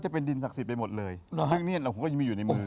จะเป็นดินศักดิ์สิทธิไปหมดเลยซึ่งเนี่ยผมก็ยังมีอยู่ในมือ